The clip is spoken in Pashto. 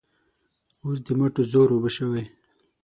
اوس د مټو زور اوبه شوی.